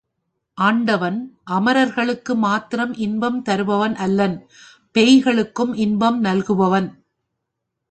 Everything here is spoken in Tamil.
ஆண்டவன் அமரர்களுக்கு மாத்திரம் இன்பம் தருபவன் அல்லன், பேய்களுக்கும் இன்பம் நல்குபவன்.